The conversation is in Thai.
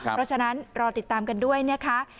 เพราะฉะนั้นรอติดตามกันด้วยนะคะ